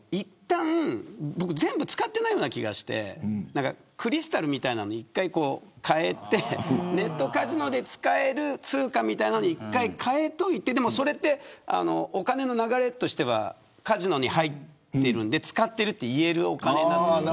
全部使っていないような気がしてクリスタルみたいなのに一回換えてネットカジノで使える通貨みたいなのに換えておいてでも、お金の流れとしてはカジノに入っているので使っているといえるお金なんです。